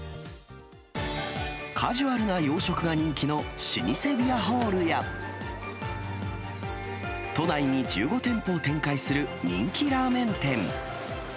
カジュアルな洋食が人気の老舗ビアホールや、都内に１５店舗を展開する人気ラーメン店。